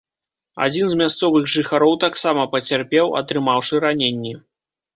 Адзін з мясцовых жыхароў таксама пацярпеў, атрымаўшы раненні.